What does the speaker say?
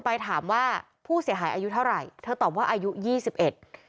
ที่ะทำว่าผู้เสียหายอายุเท่าไรเปือตอบว่าอายุยี่สิบเอ็จ